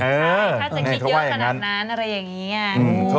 ใช่ถ้าจะคิดเยอะขนาดนั้นอะไรอย่างนี้ไง